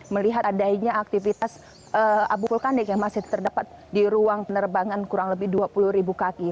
melihat adanya aktivitas abu vulkanik yang masih terdapat di ruang penerbangan kurang lebih dua puluh ribu kaki